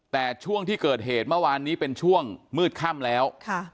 แต่ช่วงที่เกิดเหตุเมื่อวานนี้เป็นช่วงมืดค่ำแล้ว